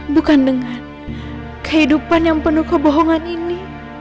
bukan dengan kehidupan yang penuh kebohongan ini